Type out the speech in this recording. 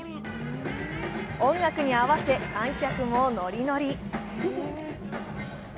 音楽に合わせ観客もノリノリ。